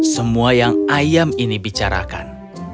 semua yang ayam ini bicarakan